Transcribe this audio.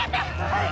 はい！